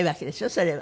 それは。